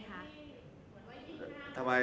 ดินแดงใช่ไหม